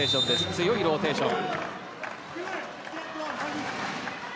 強いローテーション。